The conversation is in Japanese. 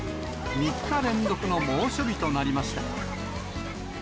３日連続の猛暑日となりました。